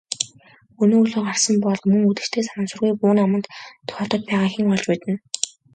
Өнөө өглөө гарсан Болд мөн үдэштээ санамсаргүй бууны аманд тохиолдоод байгааг хэн олж мэднэ.